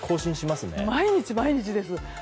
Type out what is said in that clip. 毎日、毎日です。